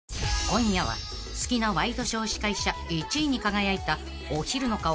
［今夜は好きなワイドショー司会者１位に輝いたお昼の顔